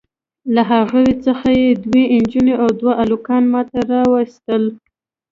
له هغوی څخه یې دوې نجوني او دوه هلکان ماته راواستول.